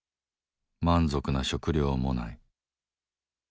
満足な食料もない。